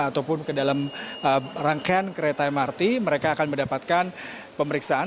ataupun ke dalam rangkaian kereta mrt mereka akan mendapatkan pemeriksaan